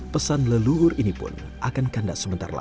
pesan leluhur ini pun akan kandas sebentar lagi